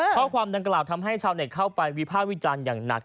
ข้อความดังกล่าวทำให้ชาวเน็ตเข้าไปวิภาควิจารณ์อย่างหนัก